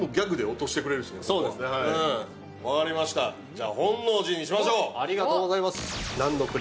じゃあ本能寺にしましょう！